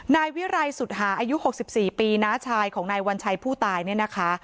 นายวิรัยสุดหาอายุ๖๔ปีน้าชายของนายวัญชัยผู้ตายเนี่ยนะคะ